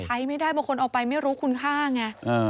ใช้ไม่ได้บางคนเอาไปไม่รู้คุณค่าไง